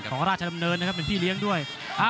ของราชดำเนินนะครับเป็นพี่เลี้ยงด้วย